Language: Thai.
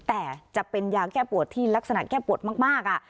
แต่จะเป็นยาแก้ปวดที่ลักษณะแก้ปวดมาก